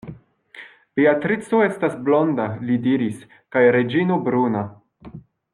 Beatrico estas blonda, li diris, kaj Reĝino bruna.